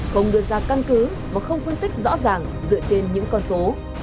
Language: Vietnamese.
không đưa ra căn cứ và không phân tích rõ ràng dựa trên những con số